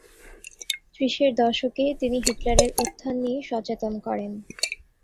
ত্রিশের দশকে তিনি হিটলারের উত্থান নিয়ে সচেতন করেন।